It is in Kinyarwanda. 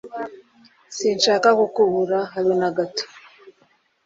Sinshaka kukubura.habe na gatoya